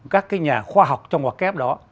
các cái nhà khoa học trong hoặc kép đó